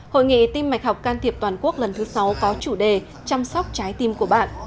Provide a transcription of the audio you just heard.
hội nghị tim mạch học can thiệp toàn quốc lần thứ sáu có chủ đề chăm sóc trái tim của bạn